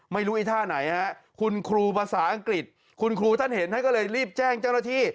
ไอ้ท่าไหนฮะคุณครูภาษาอังกฤษคุณครูท่านเห็นท่านก็เลยรีบแจ้งเจ้าหน้าที่